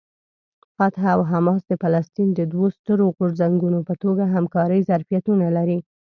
فتح او حماس د فلسطین د دوو سترو غورځنګونو په توګه همکارۍ ظرفیتونه لري.